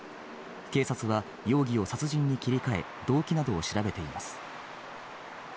警察は容疑を殺人に切り替え、動機などを調べています。